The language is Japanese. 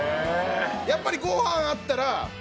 やっぱりご飯あったら。